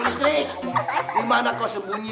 krokodilnya mas junadi